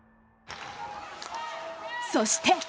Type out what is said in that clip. そして。